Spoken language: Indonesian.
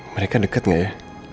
mereka deket gak ya